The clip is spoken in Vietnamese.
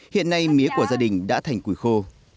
hiện nay mía của gia đình đã thành quỷ khô